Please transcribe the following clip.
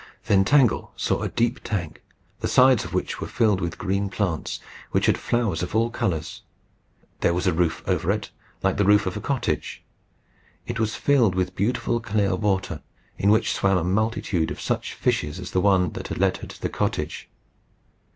Then Tangle saw a deep tank, the sides of which were filled with green plants, which had flowers of all colours. There was a roof over it like the roof of the cottage. It was filled with beautiful clear water, in which swam a multitude of such fishes as the one that had led her to the cottage.